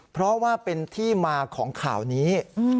เพราะว่าเป็นที่มาของข่าวนี้